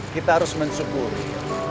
kita harus mensyukuri